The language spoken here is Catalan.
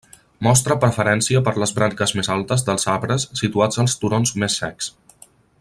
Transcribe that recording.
Mostra preferència per les branques més altes dels arbres situats als turons més secs.